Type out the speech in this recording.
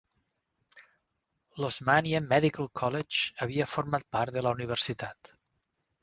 L'Osmania Medical College havia format part de la universitat.